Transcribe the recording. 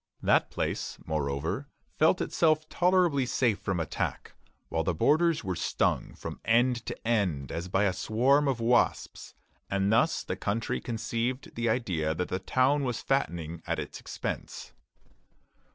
That place, moreover, felt itself tolerably safe from attack, while the borders were stung from end to end as by a swarm of wasps; and thus the country conceived the idea that the town was fattening at its expense.